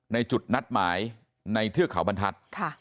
ในจุดนัดหมายในเทือกเขาบรรทัศน์